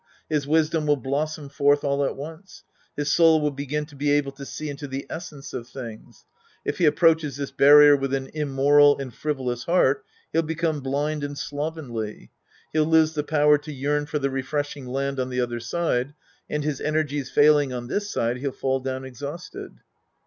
His wis dom will blossom forth all at once. His soul will begin to be able to see into the essence of things. If he approaches this barrier with an immoral and frivolous heart, he'll become blind and slovenl)'. He'll lose the power to yearn for the refreshing land on the other side, and his energies failing on this side, he'll fall down exhausted.